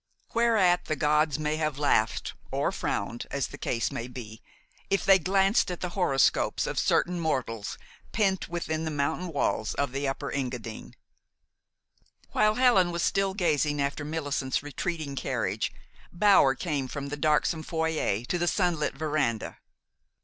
Whereat the gods may have laughed, or frowned, as the case may be, if they glanced at the horoscopes of certain mortals pent within the mountain walls of the Upper Engadine. While Helen was still gazing after Millicent's retreating carriage, Bower came from the darksome foyer to the sunlit veranda.